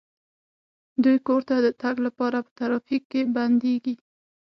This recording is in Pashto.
دوی کور ته د تګ لپاره په ترافیک کې بندیږي